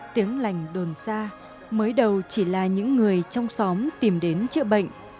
tiếng lành đồn xa mới đầu chỉ là những người trong xóm tìm đến chữa bệnh